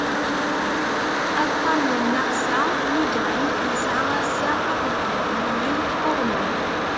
aṭṭan n nnaqsa migraine yesɛa assaɣ akked thurmunin hormones